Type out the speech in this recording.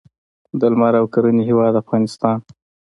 د لمر او کرنې هیواد افغانستان.